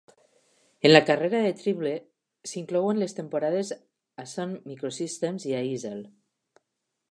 En la carrera de Tribble s'inclouen les temporades a Sun Microsystems i a Eazel.